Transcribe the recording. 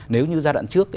nếu như giai đoạn trước